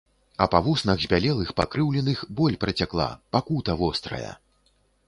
А па вуснах збялелых, пакрыўленых боль працякла, пакута вострая.